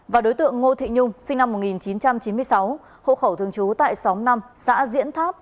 và đối tượng ngô thị nhung sinh năm một nghìn chín trăm chín mươi sáu hộ khẩu thường trú tại sáu năm